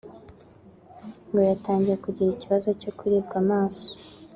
ngo yatangiye kugira ikibazo cyo kuribwa amaso